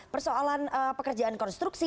persoalan pekerjaan konstruksi